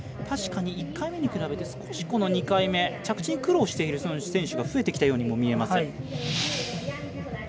確かに１回目に比べて２回目着地に苦労している選手が増えてきたようにも見えます。